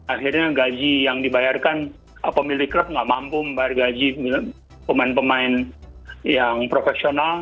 akhirnya gaji yang dibayarkan pemilik klub nggak mampu membayar gaji pemain pemain yang profesional